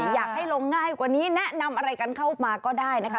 อยากให้ลงง่ายกว่านี้แนะนำอะไรกันเข้ามาก็ได้นะคะ